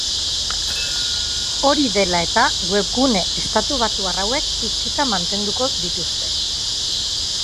Hori dela eta, webgune estatubatuar hauek itxita mantenduko dituzte.